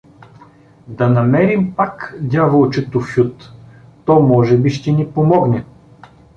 Да намерим пак дяволчето Фют, то може би ще ни помогне.